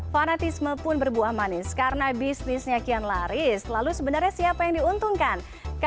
fanatisme pun berbuah manis karena bisnisnya kian laris lalu sebenarnya siapa yang diuntungkan